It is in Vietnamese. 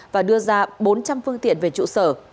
và đưa ra bốn trăm linh phương tiện về trụ sở